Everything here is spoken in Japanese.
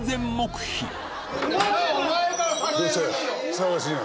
騒がしいな。